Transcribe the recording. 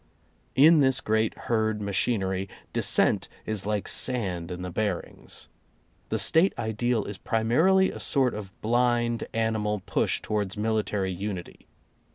In this great herd machinery, dissent is like sand in the bearings. The State ideal is primarily a sort of blind animal push towards military unity.